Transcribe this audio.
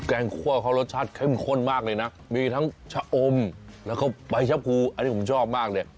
งคั่วเขารสชาติเข้มข้นมากเลยนะมีทั้งชะอมแล้วก็ใบชะพูอันนี้ผมชอบมากเนี่ย